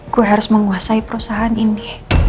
gue harus menguasai perusahaan ini